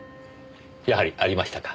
やはりありましたか。